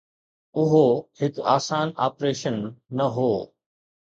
اهو هڪ آسان آپريشن نه هو.